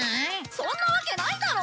そんなわけないだろ！